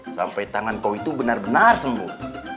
sampai tangan kau itu benar benar sembuh